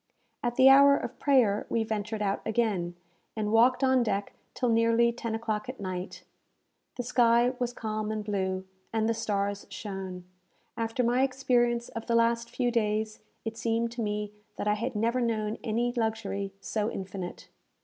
At the hour of prayer we ventured out again, and walked on deck till nearly ten o'clock at night. The sky was calm and blue, and the stars shone. After my experience of the last few days, it seemed to me that I had never known any luxury so infinite.